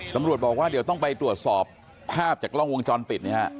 สำหรับบอกว่าจะต้องไปตรวจสอบภาพจากกล้องวงจรปิดแหละครับ